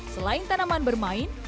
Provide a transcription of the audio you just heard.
selain tanaman bermain